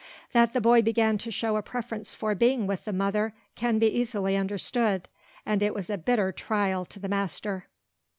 That the boy began to show a preference for being with the mother can be easily understood, and it was a bitter trial to the master.